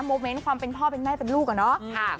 โมเมนต์ความเป็นพ่อเป็นแม่เป็นลูกอะเนาะ